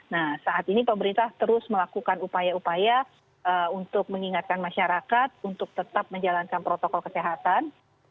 nah saat ini pemerintah terus melakukan upaya upaya untuk mengingatkan masyarakat untuk tetap menjalankan protokol kesehatan